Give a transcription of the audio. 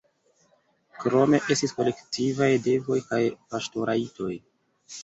Krome estis kolektivaj devoj kaj paŝtorajtoj.